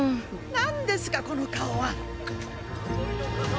なんですかこの顔は！